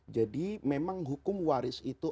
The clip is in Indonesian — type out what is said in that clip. jadi memang hukum waris itu